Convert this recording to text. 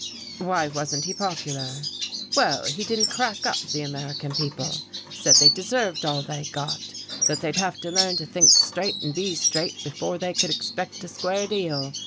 "Why wasn't he popular?" "Well, he didn't crack up the American people, said they deserved all they got, that they'd have to learn to think straight and be straight before they could expect a square deal.